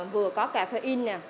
vừa có cà phê in